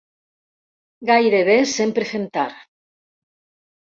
Gairebé sempre fem tard.